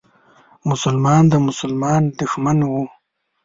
مسلمان د مسلمان دښمن و.